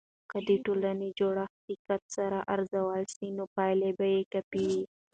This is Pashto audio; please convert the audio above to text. که د ټولنې جوړښت دقت سره ارزول سي، نو پایلې به کافي وي.